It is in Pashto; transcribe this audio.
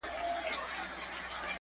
د وطن د بچیانو